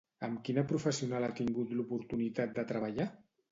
Amb quina professional ha tingut l'oportunitat de treballar?